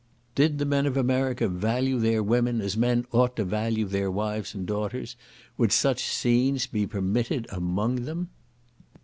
Did the men of America value their women as men ought to value their wives and daughters, would such scenes be permitted among them?